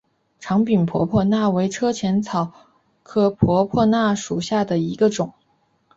长柄婆婆纳为车前草科婆婆纳属下的一个种。